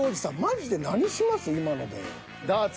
今ので。